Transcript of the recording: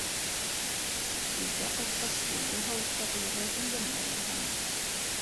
Өйгә ҡайтҡас һыулы һауытҡа ҡуйырға гөлләмә яһаны.